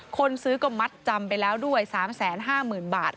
คนซื้อก็มัดจำไปแล้วด้วย๓๕๐๐๐บาท